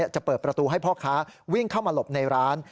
จะเปิดประตูให้พ่อค้าวิ่งเข้ามาหลบในร้าน